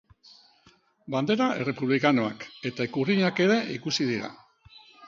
Bandera errepublikanoak eta ikurrinak ere ikusi dira.